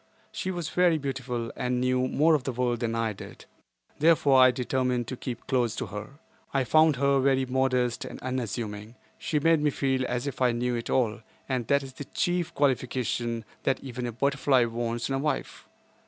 She was very beautiful and knew more of the world than I did, therefore I determined to keep close to her. I found her very modest and unassuming. She made me feel as if I knew it all, and that is the chief qualification that even a butterfly wants in a wife.